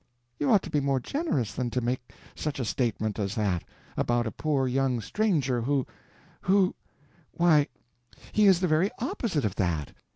You ought to be more generous than to make such a statement as that about a poor young stranger who—who—why, he is the very opposite of that!